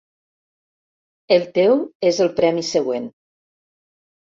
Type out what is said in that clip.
El teu és el premi següent.